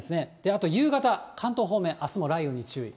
あと夕方、関東方面、あすも雷雨に注意。